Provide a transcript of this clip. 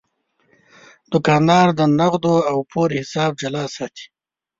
دوکاندار د نغدو او پور حساب جلا ساتي.